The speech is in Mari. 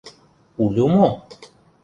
— Улю мо?